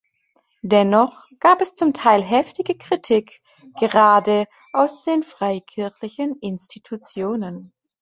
Dennoch gab es zum Teil heftige Kritik gerade aus den freikirchlichen Institutionen.